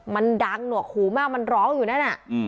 มันดังหนวกหูมากมันร้องอยู่นั่นน่ะ